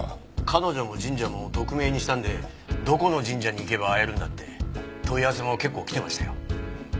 彼女も神社も匿名にしたんでどこの神社に行けば会えるんだって問い合わせも結構きてましたよ。